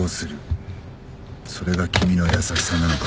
それが君の優しさなのか？